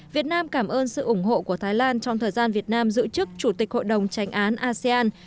việt nam cảm ơn sự ủng hộ của thái lan trong thời gian việt nam giữ chức chủ tịch hội đồng tranh án asean